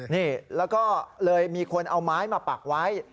นี่แล้วก็เลยมีคนเอาไม้มาปักไว้